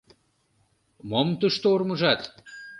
Мом тушто урмыжат?